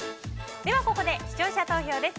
ここで視聴者投票です。